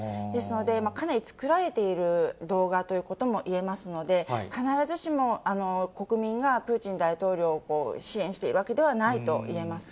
ですので、かなり作られている動画ということもいえますので、必ずしも国民がプーチン大統領を支援しているわけではないといえ